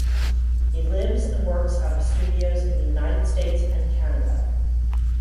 He lives and works out of studios in the United States and Canada.